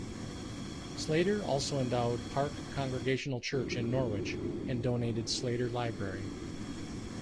Slater also endowed Park Congregational Church in Norwich and donated Slater Library.